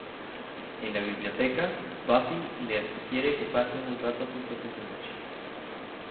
En la biblioteca, Buffy le sugiere que pasen un rato juntos esa noche.